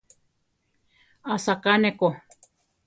Asaká ne ko.